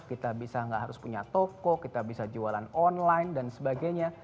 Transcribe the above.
kita bisa nggak harus punya toko kita bisa jualan online dan sebagainya